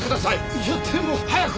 いやでも。早く！